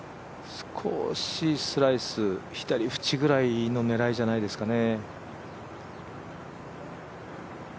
少しスライス、左縁ぐらいの狙いじゃないですかね。